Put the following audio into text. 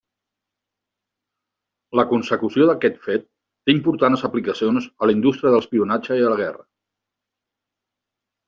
La consecució d'aquest fet té importants aplicacions a la indústria de l'espionatge i la guerra.